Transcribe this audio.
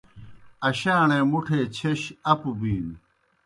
اشاݨے مُٹھے چھیش اپوْ بِینوْ۔